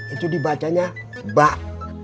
itu dibacanya mbak